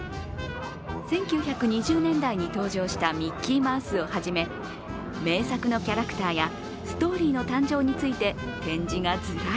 １９２０年代に登場したミッキーマウスを初め、名作のキャラクターやストーリーの誕生について展示がずらり。